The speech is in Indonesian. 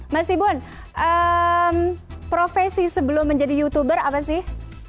mas ibun profesi sebelum menjadi youtuber apa sih